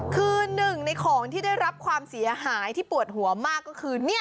คือหนึ่งในของที่ได้รับความเสียหายที่ปวดหัวมากก็คือ